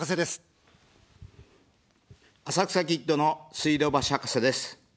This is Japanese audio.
浅草キッドの水道橋博士です。